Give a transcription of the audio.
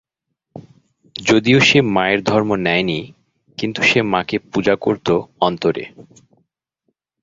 যদিও সে মায়ের ধর্ম নেয় নি, কিন্তু সে মাকে পূজা করত অন্তরে।